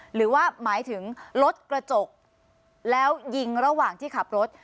หรือว่าหมายถึงรถกระจกแล้วยิงระหว่างที่ขับรถ